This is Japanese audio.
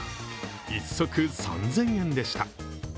１足３０００円でした。